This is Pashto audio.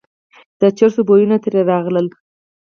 د چرسو بویونه ترې راغلل.